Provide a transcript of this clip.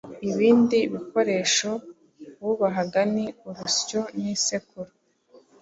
Ibindi bikoresho bubahaga ni urusyo n’isekuru.